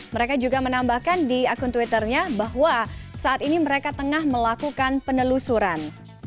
mereka juga menambahkan di akun twitternya bahwa saat ini mereka tengah melakukan penelusuran